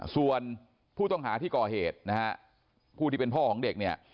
ส่วนผู้ต้องหาที่ก่อเหตุนะฮะผู้ที่เป็นพ่อของเด็กเนี่ย